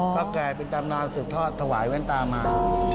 ก็แก่เป็นตำนานสูตรทอดถวายแว่นตามา